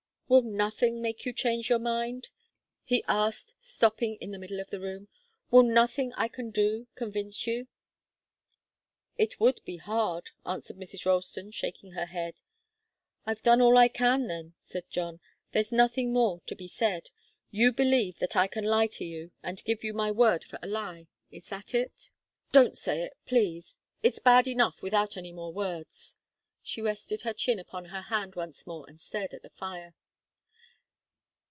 "Will nothing make you change your mind?" he asked, stopping in the middle of the room. "Will nothing I can do convince you?" "It would be hard," answered Mrs. Ralston, shaking her head. "I've done all I can, then," said John. "There's nothing more to be said. You believe that I can lie to you and give you my word for a lie. Is that it?" "Don't say it, please it's bad enough without any more words." She rested her chin upon her hand once more and stared at the fire.